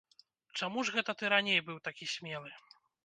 Чаму ж гэта ты раней быў такі смелы?!